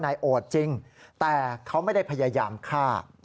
โอดจริงแต่เขาไม่ได้พยายามฆ่า